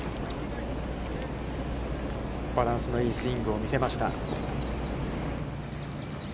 バランスのいいスイングを見せました。